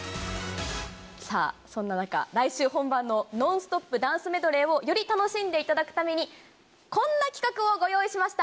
さあ、そんな中、来週本番のノンストップダンスメドレーをより楽しんでいただくために、こんな企画をご用意しました。